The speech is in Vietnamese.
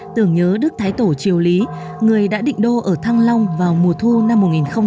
tưởng nhớ đức thái tổ triều lý người đã định đô ở thăng long vào mùa thu năm hai nghìn một mươi